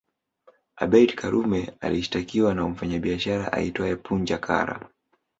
Abeid Karume alishtakiwa na mfanyabiashara aitwae Punja Kara